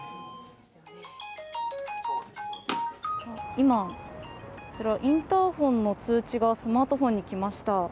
今、インターホンの通知がスマートフォンに来ました。